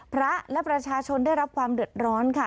พระและประชาชนได้รับความเดือดร้อนค่ะ